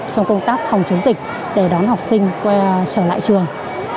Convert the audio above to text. trong công tác phòng chống dịch để đón học sinh quay trở lại trường